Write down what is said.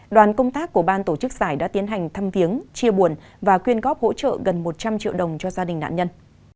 đoàn công tác của ban tổ chức giải đã tiến hành thăm viếng chia buồn và quyên góp hỗ trợ gần một trăm linh triệu đồng cho gia đình nạn nhân